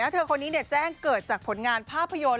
เธอคนนี้แจ้งเกิดจากผลงานภาพยนตร์